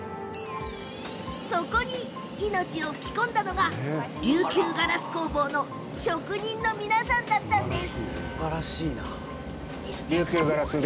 そこに命を吹き込んだのが琉球ガラス工房の職人の皆さんです。